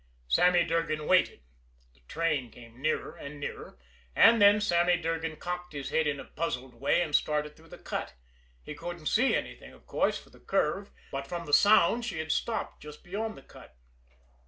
Sammy Durgan waited. The train came nearer and nearer and then Sammy Durgan cocked his head in a puzzled way and stared through the cut. He couldn't see anything, of course, for the curve, but from the sound she had stopped just beyond the cut.